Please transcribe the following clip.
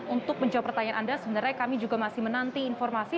untuk menjawab pertanyaan anda sebenarnya kami juga masih menanti informasi